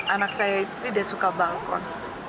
anak saya itu tidak suka balkon